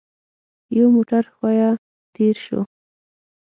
يو موټر ښويه تېر شو.